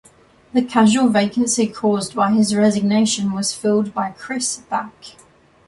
The casual vacancy caused by his resignation was filled by Chris Back.